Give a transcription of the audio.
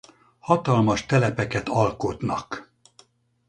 Hatalmas telepeket alkotnak.